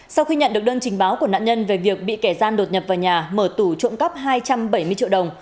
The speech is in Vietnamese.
sau khi nhận được đơn trình báo của nạn nhân về việc bị kẻ gian đột nhập vào nhà mở tủ trộm cắp hai trăm bảy mươi triệu đồng